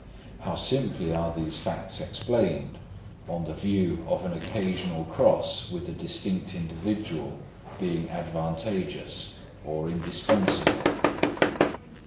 How simply are these facts explained on the view of an occasional cross with a distinct individual being advantageous or indispensable!